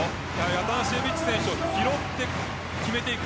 アタナシエビッチ選手を拾って決めていく。